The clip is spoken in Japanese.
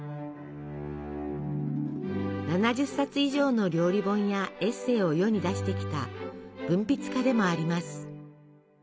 ７０冊以上の料理本やエッセイを世に出してきた文筆家でもあります。